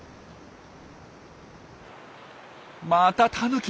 またタヌキ。